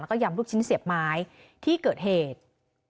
แล้วก็ยำลูกชิ้นเสียบไม้ที่เกิดเหตุ